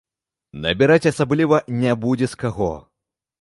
Набіраць асабліва не будзе з каго.